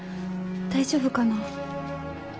大丈夫かな？